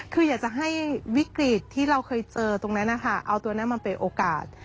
คืออยากจะให้วิกฤตที่เราเคยเจอตรงนั้นนะคะเอาตัวนั้นมาเป็นโอกาส